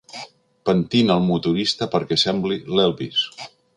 Pentina el motorista perquè sembli l'Elvis.